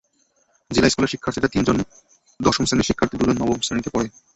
জিলা স্কুলের শিক্ষার্থীদের তিনজন দশম শ্রেণির শিক্ষার্থী, দুজন নবম শ্রেণিতে পড়ে।